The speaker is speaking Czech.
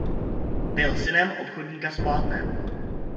Byl synem obchodníka s plátnem.